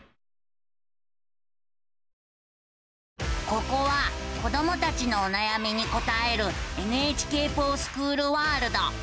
ここは子どもたちのおなやみに答える「ＮＨＫｆｏｒＳｃｈｏｏｌワールド」。